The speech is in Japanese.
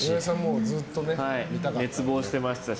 ずっと熱望してましたし。